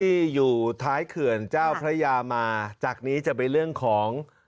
ที่อยู่ท้ายเขื่อนเจ้าพระยามาจากนี้จะเป็นเรื่องของ